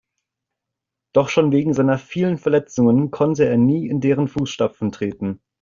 Doch schon wegen seiner vielen Verletzungen konnte er nie in deren Fußstapfen treten.